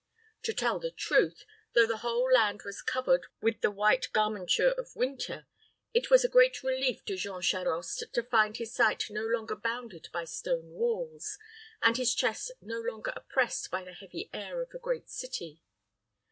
To tell the truth, though the whole land was covered with the white garmenture of winter, it was a great relief to Jean Charost to find his sight no longer bounded by stone walls, and his chest no longer oppressed by the heavy air of a great city.